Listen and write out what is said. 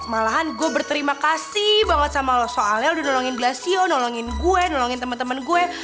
malahan gue berterima kasih banget sama lo soalnya udah nolongin blacio nolongin gue nolongin temen temen gue